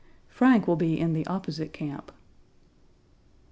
Frank will be in the opposite camp.